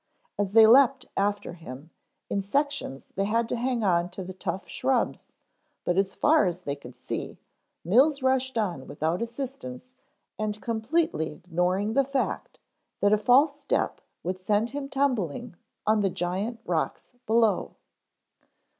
As they leaped after him, in sections they had to hang on to the tough shrubs, but as far as they could see, Mills rushed on without assistance and completely ignoring the fact that a false step would send him tumbling on the giant rocks below.